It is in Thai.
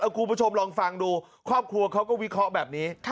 คุณผู้ชมลองฟังดูครอบครัวเขาก็วิเคราะห์แบบนี้